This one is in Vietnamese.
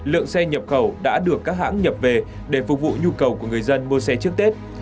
lượng xe nhập khẩu đã được các hãng nhập về để phục vụ nhu cầu của người dân mua xe trước tết